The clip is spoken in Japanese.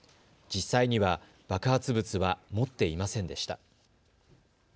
実際には爆発物は持っていませんでした。